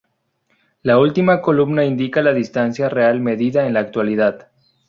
La última columna indica la distancia real medida en la actualidad.